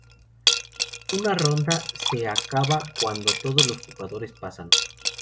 Una ronda se acaba cuando todos los jugadores pasan.